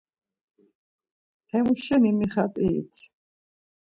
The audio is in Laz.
Hemuşeni mixat̆irit.